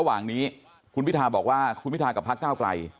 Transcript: ระหว่างนี้คุณพิทาบอกว่าคุณพิทากับพักเก้าไกล